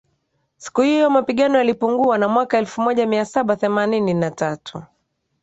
siku hiyo mapigano yalipungua na mwaka elfumoja miasaba themanini na tatu